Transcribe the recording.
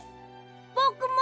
ぼくも！